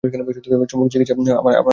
চৌম্বক চিকিৎসা আমার কিছু করতে পারল না।